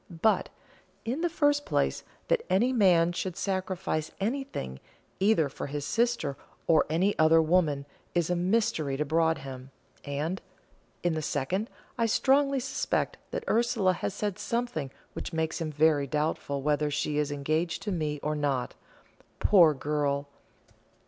But, in the first place, that any man should sacrifice anything, either for his sister or any other woman, is a mystery to Broadhem; and, in the second, I strongly suspect that Ursula has said something which makes him very doubtful whether she is engaged to me or not. Poor girl!